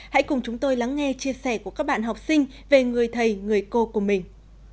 hãy cùng chúng tôi lắng nghe chia sẻ của các bạn học sinh về người thầy người cô của mình